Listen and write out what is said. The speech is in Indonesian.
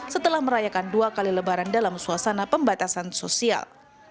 setelah merayakan dua kali lebaran dalam suasana pembatasan sosial